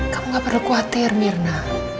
kamu gak perlu khawatir mirna